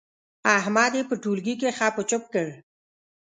احمد يې په ټولګي کې خپ و چپ کړ.